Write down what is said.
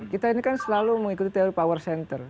kita ini kan selalu mengikuti teori power center